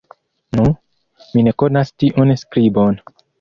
Nu! mi ne konas tiun skribon!